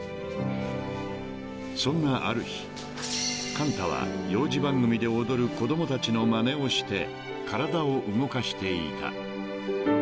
［そんなある日寛太は幼児番組で踊る子供たちのまねをして体を動かしていた］